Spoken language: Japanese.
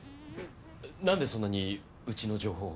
なんでそんなにうちの情報を？